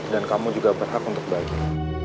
dan kamu juga berhak untuk bahagia